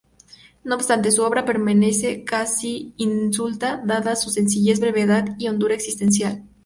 No obstante, su obra permanece casi insular dada su sencillez, brevedad y hondura existencial.